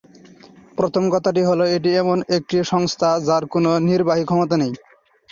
প্রথম কথাটি হলো, এটি এমন একটি সংস্থা, যার কোনো নির্বাহী ক্ষমতা নেই।